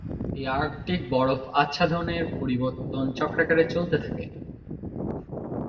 এই আর্কটিক বরফ আচ্ছাদনের পরিবর্তন চক্রাকারে চলতে থাকে।